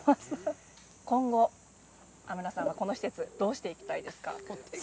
今後アムラさんはこの施設どうしていきたいですか？